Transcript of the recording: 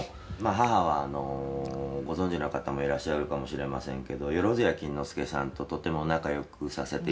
「母はご存じな方もいらっしゃるかもしれませんけど萬屋錦之介さんととても仲良くさせていただいてて」